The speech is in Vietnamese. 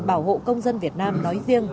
bảo hộ công dân việt nam nói riêng